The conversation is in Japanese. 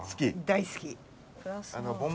大好き。